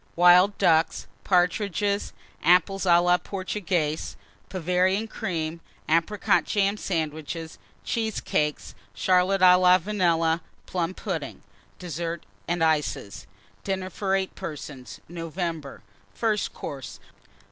Wild Ducks. Partridges. Apples à la Portugaise. Bavarian Cream. Apricot jam Sandwiches. Cheesecakes. Charlotte à la Vanille. Plum pudding. DESSERT AND ICES. 2097. DINNER FOR 8 PERSONS (NOVEMBER). FIRST COURSE.